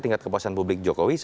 tingkat kepuasan publik jokowi